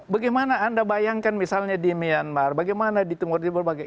bagaimana anda bayangkan misalnya di myanmar bagaimana di timur di berbagai